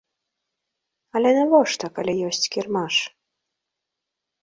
Але навошта, калі ёсць кірмаш?